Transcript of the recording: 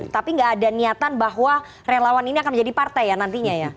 tapi nggak ada niatan bahwa relawan ini akan menjadi partai ya nantinya ya